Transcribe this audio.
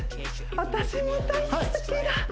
私も大好きだ